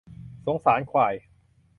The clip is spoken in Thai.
สงสารควาย